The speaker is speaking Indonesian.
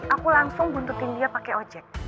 aku langsung buntutin dia pakai ojek